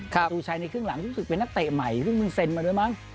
ตู้ชายในครึ่งหลังรู้สึกเป็นนักเตะใหม่มึงเซ็นมาด้วยมั้ง